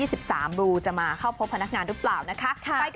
บลูจะมาเข้าพบพนักงานหรือเปล่านะคะ